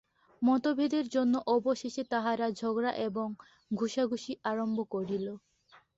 মতভেদের জন্য অবশেষে তাহারা ঝগড়া এবং ঘুষাঘুষি আরম্ভ করিল।